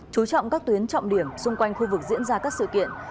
chú trọng các tuyến trọng điểm xung quanh khu vực diễn ra các sự kiện